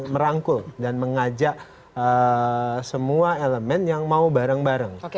merangkul dan mengajak semua elemen yang mau bareng bareng